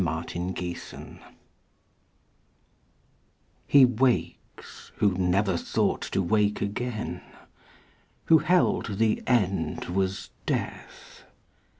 The Life Beyond He wakes, who never thought to wake again, Who held the end was Death.